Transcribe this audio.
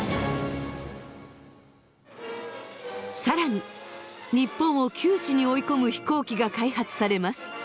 更に日本を窮地に追い込む飛行機が開発されます。